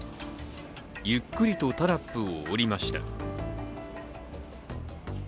ゆっくりとタラップを下りました。